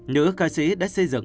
những ca sĩ đã xây dựng